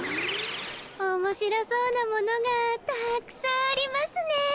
おもしろそうなものがたくさんありますね。